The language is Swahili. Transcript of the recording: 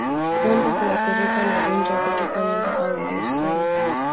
Ngombe huathirika na ugonjwa wa kutupa mimba au Brusela